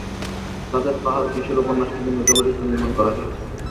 চাঁদের পাহাড় কিশোর উপন্যাসটিকে নিয়ে চলচ্চিত্র নির্মাণ করা হয়েছে।